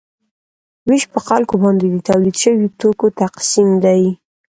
ویش په خلکو باندې د تولید شویو توکو تقسیم دی.